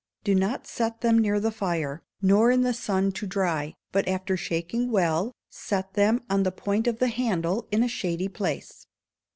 Do not set them near the fire, nor in the sun, to dry, but after shaking well, set them on the point of the handle in a shady place.